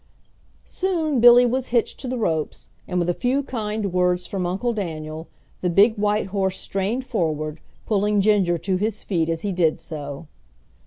Soon Billy was hitched to the ropes, and with a few kind words from Uncle Daniel the big white horse strained forward, pulling Ginger to his feet as he did so.